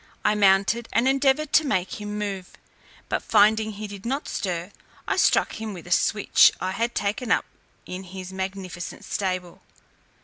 I mounted, and endeavoured to make him move: but finding he did not stir, I struck him with a switch I had taken up in his magnificent stable.